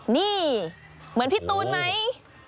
นี่เหมือนพี่ตูนไหม